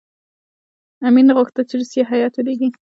امیر نه غوښتل چې روسیه هېئت ولېږي.